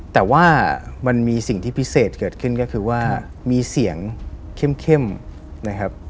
แต่ว่ามันมีสิ่งที่พิเศษเกิดขึ้นก็คือว่ามีเสียงเข้มนะครับ